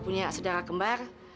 nya saudara kembar